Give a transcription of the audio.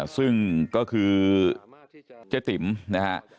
ซึ่งก็คือเจ๊ติ๋มนะฮะ